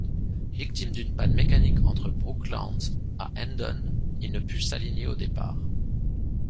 Victime d’une panne mécanique entre Brooklands à Hendon, il ne put s’aligner au départ.